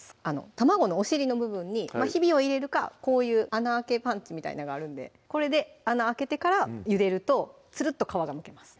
卵のお尻の部分にひびを入れるかこういう穴開けパンチみたいなんがあるんでこれで穴開けてからゆでるとツルッと皮がむけます